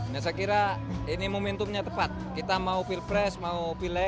nah saya kira ini momentumnya tepat kita mau will press mau white